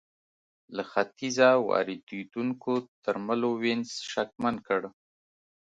له ختیځه واردېدونکو درملو وینز شتمن کړ.